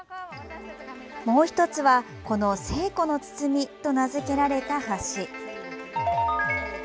もう１つはこの西湖の堤と名付けられた橋。